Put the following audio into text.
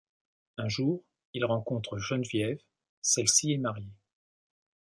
Un jour, il rencontre Geneviève, celle-ci est mariée.